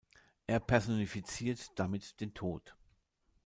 Er personifiziert damit den Tod.